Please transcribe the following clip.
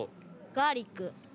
ガーリック。